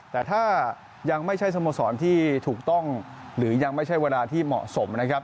แต่ถ้ายังไม่ใช่สโมสรที่ถูกต้องหรือยังไม่ใช่เวลาที่เหมาะสมนะครับ